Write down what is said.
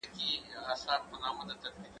زه پرون اوبه پاکې کړې!؟